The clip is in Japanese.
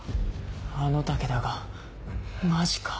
あの武田がマジか。